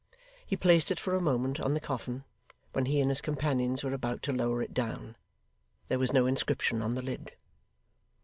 He placed it for a moment on the coffin, when he and his companions were about to lower it down. There was no inscription on the lid.